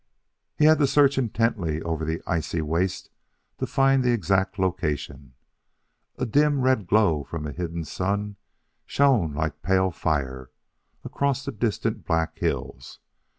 He had to search intently over the icy waste to find the exact location; a dim red glow from a hidden sun shone like pale fire across distant black hills.